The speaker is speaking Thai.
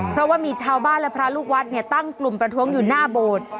เพราะว่ามีชาวบ้านและพระลูกวัดเนี่ยตั้งกลุ่มประท้วงอยู่หน้าโบสถ์